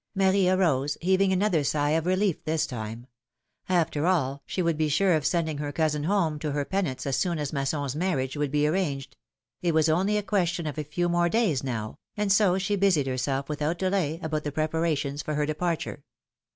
Marie arose, heaving another sigh of relief this time. After all, she would be sure of sending her cousin home to her penates as soon as Masson's marriage would be arranged ; it was only a question of a few more days now, and so she busied herself without delay about the prepara tions for her departure.